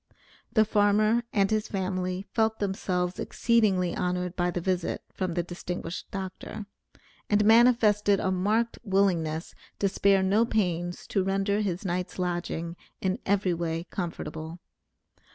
The farmer and his family felt themselves exceedingly honored by the visit from the distinguished doctor, and manifested a marked willingness to spare no pains to render his night's lodging in every way comfortable.